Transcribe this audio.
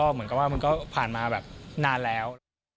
เหมือนกับว่ามันก็ผ่านมาแบบนานแล้ว